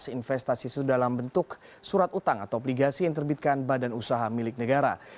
investasi dalam bentuk surat utang atau obligasi yang terbitkan badan usaha milik negara